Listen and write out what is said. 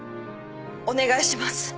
お願いします